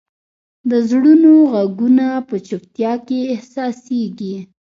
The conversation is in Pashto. د زړونو ږغونه په چوپتیا کې احساسېږي.